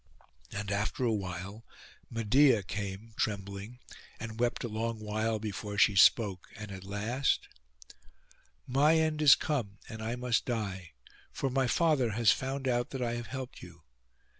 And after awhile Medeia came trembling, and wept a long while before she spoke. And at last— 'My end is come, and I must die; for my father has found out that I have helped you.